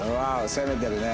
攻めてるね。